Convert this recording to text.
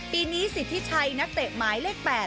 ปีนี้สิทธิชัยนักเตะหมายเลข๘